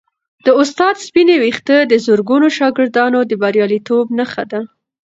د استاد سپینې ویښتې د زرګونو شاګردانو د بریالیتوبونو نښه ده.